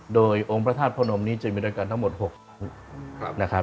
โดยองค์พระธาตุพระนมมีรายการทั้งหมด๖ชั้น